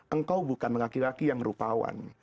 engkau bukan laki laki yang rupawan